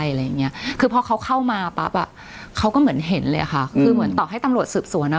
อะไรอย่างเงี้ยคือพอเขาเข้ามาปั๊บอ่ะเขาก็เหมือนเห็นเลยค่ะคือเหมือนต่อให้ตำรวจสืบสวนอ่ะ